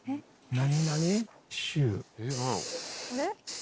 何？